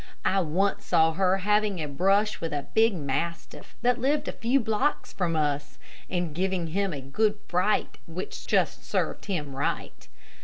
I once saw her having a brush with a big mastiff that lived a few blocks from us, and giving him a good fright, which just served him right.